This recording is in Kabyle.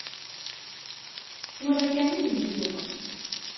Tura kan i tebdiḍ.